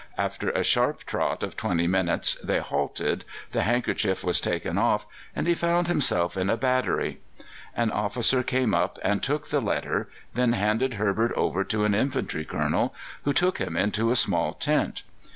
After a sharp trot of twenty minutes they halted, the handkerchief was taken off, and he found himself in a battery. An officer came up and took the letter, then handed Herbert over to an infantry Colonel, who took him into a small tent.